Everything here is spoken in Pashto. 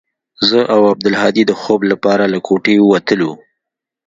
زه او عبدالهادي د خوب لپاره له كوټې وتلو.